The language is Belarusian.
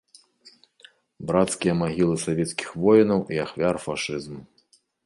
Брацкія магілы савецкіх воінаў і ахвяр фашызму.